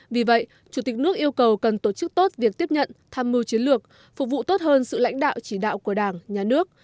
vì vậy chủ tịch nước yêu cầu cần tổ chức tốt việc tiếp nhận tham mưu chiến lược phục vụ tốt hơn sự lãnh đạo chỉ đạo của đảng nhà nước